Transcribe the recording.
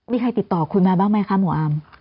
มีใครติดต่อคุณมาบ้างไหมคะหมออาม